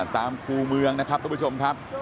คู่เมืองนะครับทุกผู้ชมครับ